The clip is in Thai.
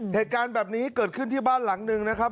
แภดการณ์แบบนี้เคยเห็นขึ้นที่บ้านหลังนึงนะครับ